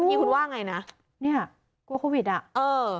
ทีคุณว่าไงนะเนี่ยกลัวโควิดอ่ะเออ